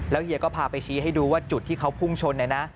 แล้วเหียก็พาไปฝีให้ดูว่าจุดที่เขาพุ่งชนไหนนะ